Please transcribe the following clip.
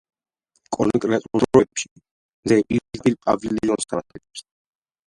კონკრეტულ დროებში მზე პირდაპირ პავილიონს ანათებს.